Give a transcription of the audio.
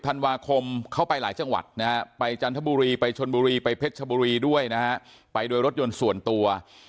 ธันวาคมเข้าไปหลายจังหวัดนะฮะไปจันทบุรีไปชนบุรีไปเพชรชบุรีด้วยนะฮะไปโดยรถยนต์ส่วนตัว